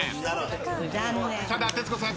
ただ徹子さん